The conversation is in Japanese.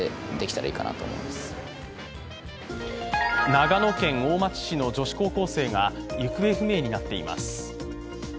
長野県大町市の女子高校生が行方不明になっています。